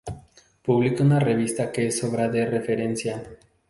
Publica una revista que es obra de referencia.